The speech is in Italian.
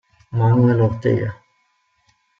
Manuel Ortega